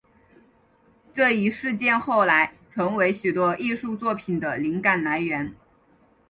这一事件后来成为许多艺术作品的灵感来源。